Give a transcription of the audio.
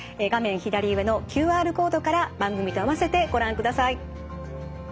左上のＱＲコードから番組と併せてご覧ください。